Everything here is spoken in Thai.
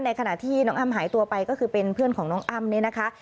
ในขณะที่น้องอ้ำหายตัวไปก็คือเป็นเพื่อนของน้องอ้ำ